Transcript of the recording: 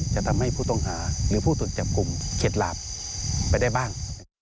จะทำให้ผู้ต้องหาหรือผู้ถูกจับกลุ่มเข็ดหลาบไปได้บ้าง